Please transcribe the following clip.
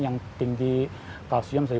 yang tinggi kalsium dari